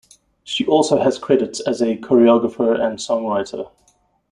She also has credits as a choreographer and songwriter.